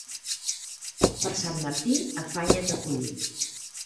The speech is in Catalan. Per Sant Martí, afanya't a collir.